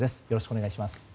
よろしくお願いします。